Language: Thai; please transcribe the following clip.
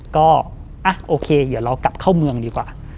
ก็โอเคเดี๋ยวเรากลับเข้าเมืองดีกว่า